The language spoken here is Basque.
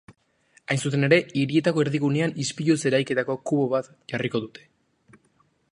Hain zuzen ere, hirietako erdigunean ispiluz eraikitako kubo bat jarriko dute.